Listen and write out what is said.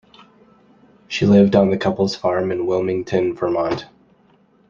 She lived on the couple's farm in Wilmington, Vermont.